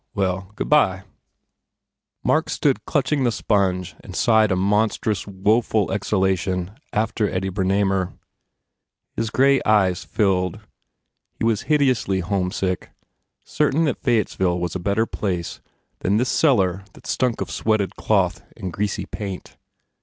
Well, goo bye." Mark stood clutching the sponge and sighed a monstrous, woeful exhalation after Eddie Ber 20 A PERSONAGE namer. His grey eyes filled. He was hideously homesick, certain that Fayettesville was a better place than this cellar that stunk of sweated cloth and greasy paint.